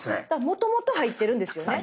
もともと入ってるんですよね？